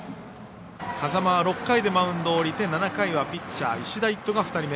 風間は６回でマウンドを降りて７回はピッチャー石田一斗が２人目。